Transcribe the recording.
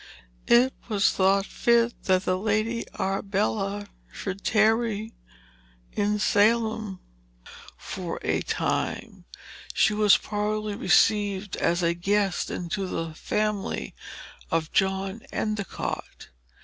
It was thought fit that the Lady Arbella should tarry in Salem for a time; she was probably received as a guest into the family of John Endicott.